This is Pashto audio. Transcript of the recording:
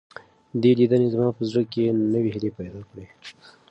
دې لیدنې زما په زړه کې نوې هیلې پیدا کړې.